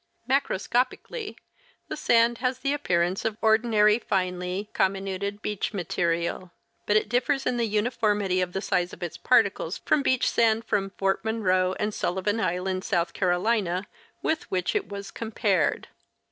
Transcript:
' Macroscopically, the sand has the appearance of ordinary finely commi nuted beach material ; but it differs in the uniformity of the size of its particles from beach sand from Fort Monroe and Sullivan island, South Carolina, with which it was compared.